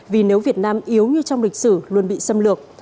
vì nếu việt nam yếu như trong lịch sử luôn bị xâm lược